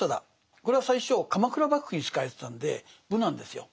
これは最初鎌倉幕府に仕えてたんで「武」なんですよ。